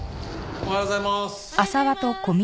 おはようございます。